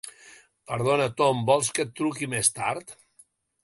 Perdona, Tom, vols que et truqui més tard?